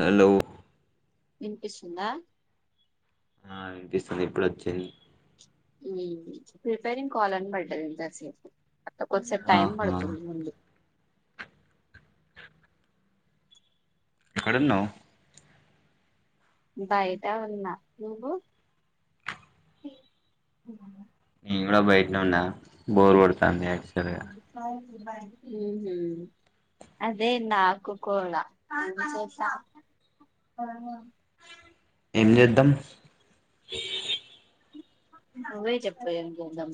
Hello వినిపిస్తుందా ఆ వినిపిస్తుంది ఇప్పుడు వచ్చింది హు ప్రిపేరింగ్ కాల్ అని పడ్డది ఇంతసేపు అట్ట కొద్దిసపు టైమ్ ఆహా పడుతుంది ముందు ఎక్కడ ఉన్నావు బయటా ఉన్నా నువ్వు నేను కూడా బయటనే ఉన్నా బోర్ కొడుతాది తా ఉహూ అదే నాకు కూడా ఏం చేద్దాం నువ్వే చెప్ప ఏంచెదాం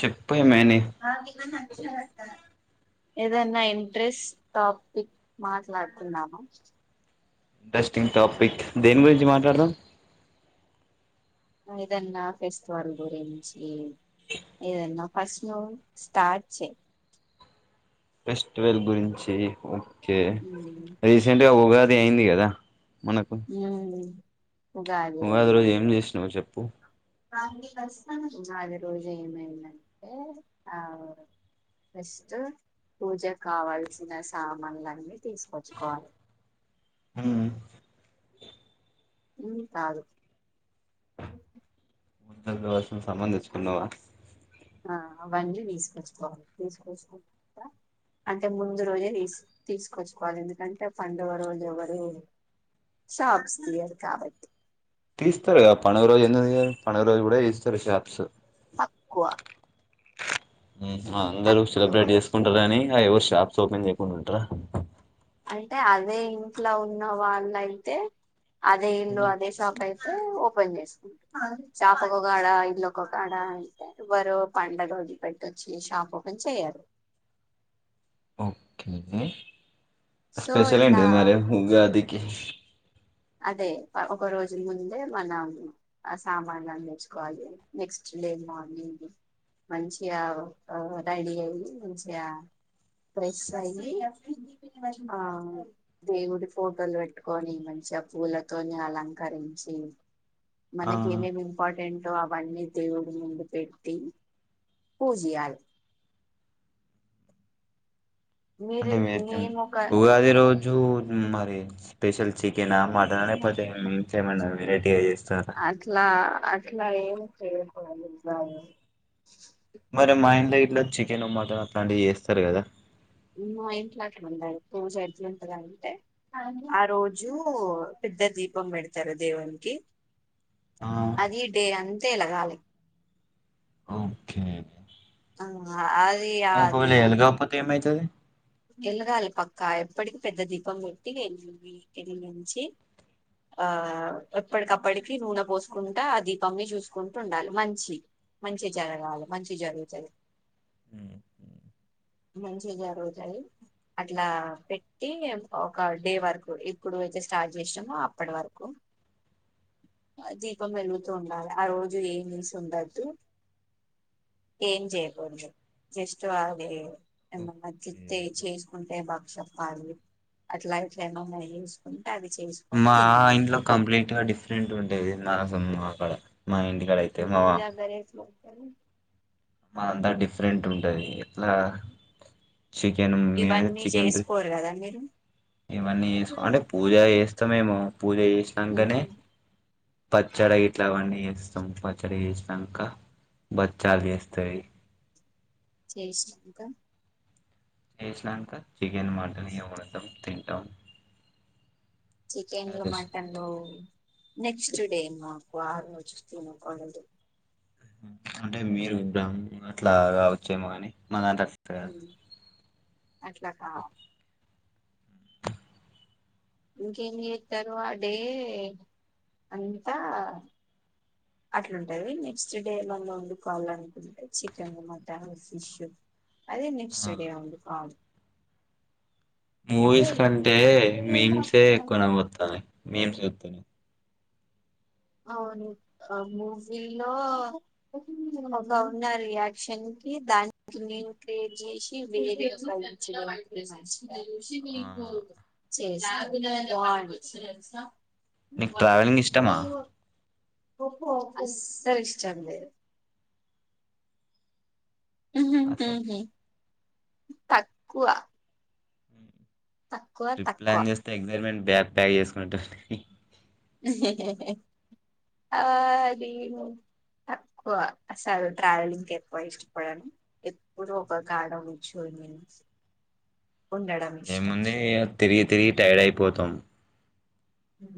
చెప్పు ఏమైని ఆ నీకు గాని నచ్చదట ఏదన్నా ఇంట్రెస్ట్ టాపిక్ మాట్లాడుతున్నామా ఇంట్రెస్టింగ్ టాపిక్ దేని గురించి మాట్లాడదాం. ఏదన్నా ఫెస్టివల్ గురించి. ఏదన్న. ఫస్ట్ నువ్వు స్టార్ట్ చెయ ఫెస్టివల్ గురించి హు కే ఉమ్. రీసెంట్ గా ఉగాది పోయింది కదా. మనకు ఉహు ఉగాది రోజు ఏం చేసినావ్ చెప్పు పూ ఉగాది రోజు ఏమైందంటే అవ్ ఫస్ట్ పూజకి కావాల్సిన సామాన్లన్నీ తీసుకొచ్చుకోవాలి. ఊ హు కాదు పూజ కు కావాల్సిన సామాన్ తెచ్చుకున్నావా. ఆ అవన్నీ తీసుకోవచ్చు కోవాలి. తీసుకొచ్చుకున్నాంక అంటే ముందు రోజు తి తీసుకొచ్చుకోవాలి ఎందుకంటే పండగ రోజు ఎవరు షాప్స్ తియ్యరు కాబట్టి. తీస్తారు గదా పండుగ రోజు ఎందుకు తియ్యరు పండగ రోజు కూడా తీస్తారు షాప్స్ తక్కువ ఉహు అందరూ తక్కువ సెలబ్రేట్ చేసుకుంటారని ఎవరు షాప్స్ ఓపెన్ చేయకుండా ఉంటారా అంటే అదే ఇంట్ల ఉన్న వాళ్లయితే అదే ఇల్లు అదే షాప్ అయితే ఓకె పని చేసుకుంటారు షాప్ ఒక కాడ ఇల్లు ఒక కాడ ఎవరూ పండగ వదిలిపెట్టి వచ్చి షాప్ ఓపెన్ చేయరు. ఓకే సో స్పెషల్ ఇట్లా ఏంటిది మరే ఉగాది. డిష్ అదే ఒక రోజు ముందే మనం ఆ సామాన్లన్నీ తెచ్చుకోవాలి. నెక్స్ట్ డే మార్నింగ్ మంచిగా రెడీ అయి మంచిగా ఫ్రెష్ అయ్యి ఆ దేవుడి ఫోటోలు పెట్టుకొని మంచిగా పూలతోని అలంకరించి ఆ మనకి ఏం ఏం ఇంపార్టెంట్ నువ్వు అవన్నీ దేవుడి ముందు పెట్టి పూజియాలి. అంటే మేము [unintelligible] ఒక ఉగాది రోజు జు మరి స్పెషల్ చి చికెనా, మటనా లేకపోతే మీ ఇంట్ల ఏమన్నా వెరైటీగా చేస్ అట్లా అట్లా ఏం చేసుకోము ఉగాది మీరు గిట్ల చికెను, మటన్ అట్లాంటివి చేస్తారు గదా మ్ మా ఇంట్లో అట్లా ఉండదు. పూజ ఎట్లుంటదంటే ఆ రోజు పెద్ద దీపం పెడతరు దేవునికి ఆ అది డే అంతా ఎలగాలి ఓకే అంగ ఆ అది ఓహోలే ఎల్గకపోతే ఏమైతద్ తది. ఎలగాలె పక్కా ఎప్పటికి పెద్ద దీపం ముట్టి వెలిగించి ఆ ఎప్పటికప్పటికి నూనె పోస్కుంటా ఆ దీపంన్ని చూస్కుంటుండాలి మంచి మంచి జరగాలి మంచి జరుగుతది. మ్ మంచిగా రోజు అట్లా పెట్టి ఒక డే వరకు ఎప్పుడు నుంచి స్టార్ట్ చేసినమో అప్పటి వరకు దీపం వెలుగుతూ ఉండాల. ఆ రోజు ఏం నీసు వండద్దు ఏం చేయకూడదు జస్ట్ అదే ఎం ఓకే చే చేసుకుంటే బా చెప్పాలి అట్లా ఇట్ల ఎన్నో [unintelligible] మా ఇంట్లో కంప్లీట్గా డిఫ్రెంట్గుంటది నా సమా ఆ మా ఇంటికాడ అయితే మావా అ మా అంతా డిఫరెంట్ ఉంటది ఎట్లా చికెన్ మేమైతే ఇవన్నీ చికెన్ చేసుకోరు కదా మీరు ఇవన్నీ చేసుకొ అంటె పూజ చేస్తాం ఏమో పూజ చేసినంకనే ఉమ్, పచ్చడి ఇట్లా అవన్ని చేస్తం పచ్చడ చేస్ నంక బచ్చాల్ వేస్తాయి చేష్ నంక చేస్నాంక చికెన్ మటన్ ఇగ వండుతం తిం టాన్ చికెన్లు మటన్లూ నెక్స్ట్ డే మాకు ఆర్నూచు తినకూడదు. ఉహూ అంటే మీరు బ్రాహ్మ్ అట్లా గావచ్చేమో అని. మన దర్స్త్ గారు అట్ల హా ఇంకేం జేత్తరు అదీ అంత అట్లుంటది నెక్స్ట్ డె ఏమన్నొండుకోవల్లనుకుంటే చికెను మటను ఫిష్. అది నెక్స్ట్ డే వండుకో [unintelligible] మూవీస్ కంటే మీమ్సే ఎక్కువ నవ్వొత్తాంది. మీమ్ చేత్తునే. ఔను అ మూవీలో గ ఉన్నారిగ యాక్షన్ కి దానికి నేను క్రియేట్ చేసి వేరే పంపించిన [unintelligible] ఋషి మీకు [inaudible] నీక్ ట్రావెలింగిష్టమా. అస్సలిష్టం లేదు అ [unintelligible] తక్కువ ఉమ్ తక్కువ తక్కువ ట్రిప్లాన్ జేస్తే ఎగ్జైట్‌మెంట్ బ్యాగ్ ప్యాక్ చేసుకుంటుంది ఆ అది తక్కువ అసల్ ట్రావెలింగ్కెక్కువ ఇష్టపడను ఎప్పుడూ ఒక కాడ కుచ్చొని. ఏముంది ఇగ తిరిగి తిరిగి టైడయిపోతం. హు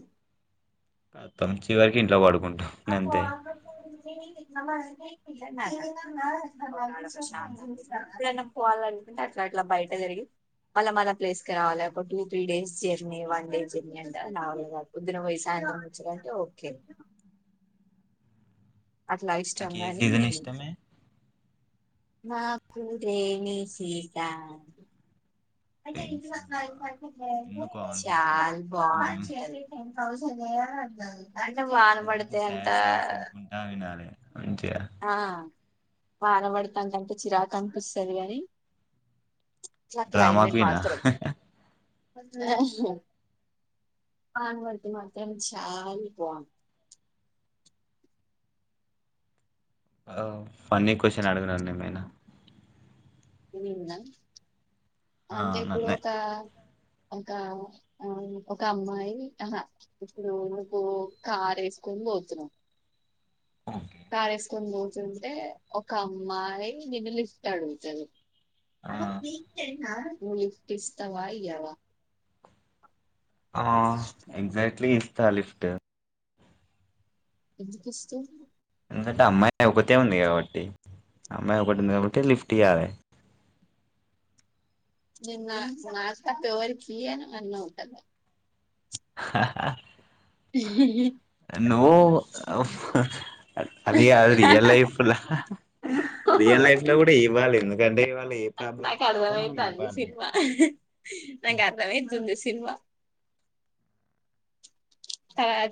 త తంచి తగి ఇంట్లో వడుకున్నమ్ అ పోరా అక్కడి కి పైకి ఎక్కి నామా పైకి ఎక్కి నామా అ ఉమ్, [inaudible] అరె అన్న పోవల్లనుకుంటే అట్లట్ల బయట తిరిగి మళ్ళ మన ప్లేస్ క రావాల ఒక two three days journey one day journey అంట నా వల్ల కాద్ పొద్దున బోయ్ సాయంత్రమొచ్చేదంటే ఓకే. అట్ల ఇష్టం నీకు ఏ గాని. సీజన్ ఇష్టమే మాకు రేనీ సీజన్ రైనీ సీజనా ఎందుకో అంత ఇష్టం చాల్ కొంచెం బాంటది అవసరమే అత్తాండు అంటే వాన ఎందుకు పడితే అంతా సాడ్ సాంగ్స్ వినుకుంటా వినాలి మంచిగా ఆ వాన పడతాంది అంటే చిరాకు అనిపిస్తుంది గాని ఇట్లా డ్రామా క్వీన్ ఆ పాన్ వంటి మాత్రం చాల బా హా ఫన్నీ క్వశ్చన్ అడుగు నన్ను ఏమైనా నిన్నా ఆ అంటే ఇప్పుడు నన్నే ఒక ఒక ఒక అమ్మాయి ఆహా ఇప్పుడు నువ్వు కార్ వేసుకొని పోతున్నవ్ ఓకే కార్ ఎసుకొని పోతుంటే ఒక అమ్మాయి నిన్ను లిఫ్ట్ అడుగుతది ఆ అది ఒక వీక్ టెన్న నువ్వు లిఫ్ట్ ఇస్తావా ఇయ్యవా ఇత్త లిఫ్ట్ ఎందుకు ఇస్తావ్ ఎందుకు అమ్మాయి ఒకతే ఉంది కాబట్టి. అమ్మాయి ఒకటి ఉంది కాబట్టి లిఫ్ట్ ఇయ్యాలి నిన్న నాకు తప్ప ఎవరికీ ఇయ్యానన్నావు కదా హహహ నువ్ అది కాదు రియల్ లైఫ్ ల రియల్ లైఫ్ లో కూడా ఇవ్వాలి ఎందుకంటే ఇవాళ ఏ ప్రాబ్లం నాకు ఉన్నా కూడా మనం అర్థమైతాంది ఇవ్వాలి. సినిమా నాకు అర్థమైతుంది సినిమా ఆ..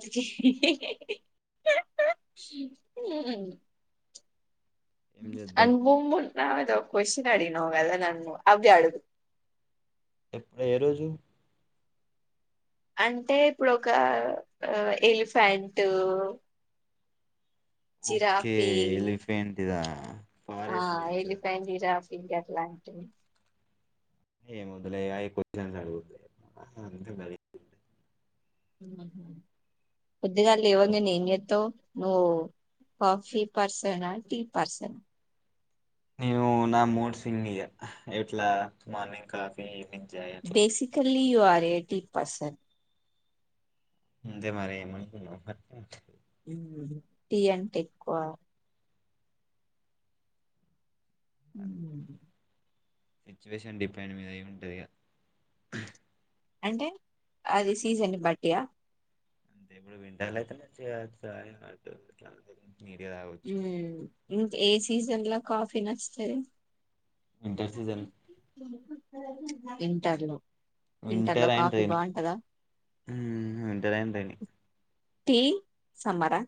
మ్ ఏం చేద్దాం అన్వౌ [unintelligible] నామీద ఒక క్వశ్చన్ అడిగినవ్ కదా నన్ను అవి అడుగూ ఎప్పుడు ఏ రోజు అంటే ఇప్పుడోక ఏలిఫెంట్ ఓకే ఎలిఫెంట్ దా హా ఎలిఫెంట్ జిరాఫ్ ఏంటి అట్లా అంటావ్ ఏముంది లే అయిపోద్ది అన్నాడు ఊకె అంతే మరి పొద్దుగాలే లేవంగనే ఏం చేత్తవ్ నువ్వు కాఫీ పార్సనా టీ పార్సనా నేను నా మూడ్ స్వింగ్ ఇగా ఏట్లా మార్నింగ్ కాఫీ ఈవినింగ్ జయతో ల్లీ you are a tea person అంతే మరి ఏమనుకున్నవ్ అట్నే ఉంటది టీ అంటే ఎక్కవ మ్ హ్ సిచ్యువేషన్ డిపెండ్ మీద ఏం ఉంటది ఇగా అంటే ఆది సీజన్ ని బట్టి ఆ అంటే ఇప్పుడు వింటర్లు అయితే చేయచ్చు అట్లా హు ఏ సీజన్ లో కాఫీ నచ్చితే వింటర్ సీజన్ వింటర్ లో లో వింటర్ అండ్ కాఫీ రైనీ బాగుంటదా హు winter and rainy tea summer ఆ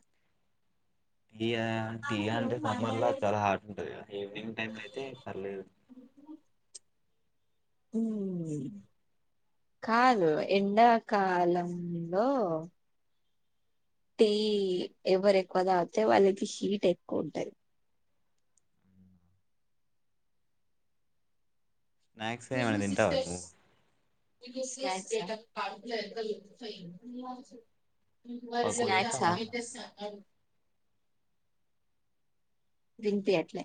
టీ అంటే సమ్మర్ లో చాలా హాట్ ఉంటుంది ఈవినింగ్ టైమ్ అయితే పర్లేదు హు కాదు ఎండకాలంలో టీ ఎవరు ఎక్కువ తాగితే వాళ్ళకి హీట్ ఎక్కువ ఉంటది స్నాక్స్ ఏమన్న తింటావా నువ్వు [unintelligible] [unintelligible] పకోడియా సమోసా తింపి అట్లే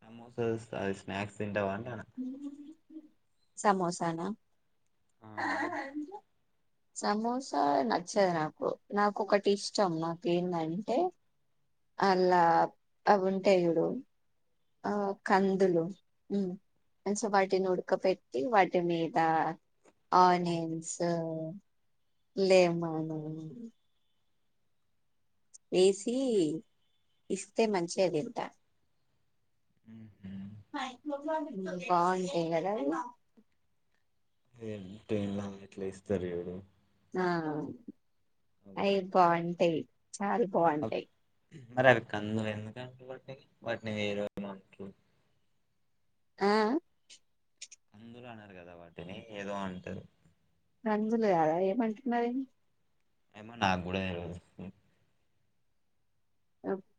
సమోస తెస్తే హా స్నాక్స్ తింటావా అంటానా సమోసానా ఆ [unintelligible] సమోసా నచ్చదు నాకు నాకు ఒకటి ఇష్టం నాకు ఏంటంటే అలా అవుంటాయి చూడు ఆ కందులు సో వాటిని ఉడక పెట్టి వాటి మీద ఆనియన్స్ లేమన్ వేసి ఇస్తే మంచిగా తింట ఉహు బాగుంటాయి కదా అవి [unintelligible] ఇట్ల ఇస్తరు చూడు ఆ అబ్బా. అయి బావుంటాయి చాల అప్- బాగుంటాయి మరి అవి కందలు ఎందుకు వాటిని [unintelligible] ఆ కందులు అనరు కదా వాటిని ఏదో అంటారు కందులు కదా ఏమంటున్న ఏంది ఏమో నాకు కూడా తెలియదు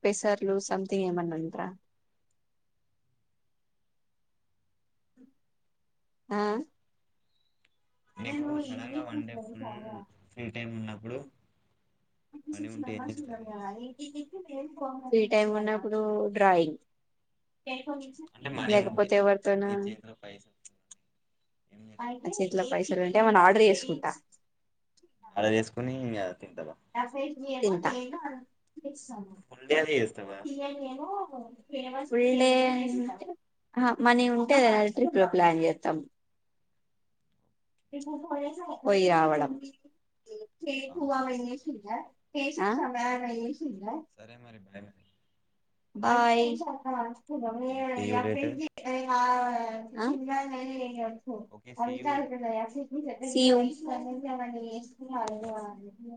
పెసర్లు సథింగ్ ఏమన్నా అంటారా ఆ నీకు సడన్ గా one day full free time ఉన్న ఇప్పుడు [unintelligible] ఫ్రీ టైమ్ ఉన్నప్పుడు డ్రాయింగ్ అంటే మనీ ఉంటే లేకపోతే ఎవరితోనా నీ చేతిలో పైసలు ఏం చేస్తావు నా చేతిలో పైసలు అంటే ఏమన్న ఆర్డర్ చేసుకుంటా అలా వేసుకుొని ఇం ఎస తింట ఏ చేస్తమ ఫుల్ డే మనీ ఉంటే గద ట్రిప్ లు ప్లాన్ చేస్తాం పోయి రావడం ఆహా [unintelligible] ఆ సరే మరి bye bye okay see you later okay see you [unintelligible] ఆ [unintelligible] యూ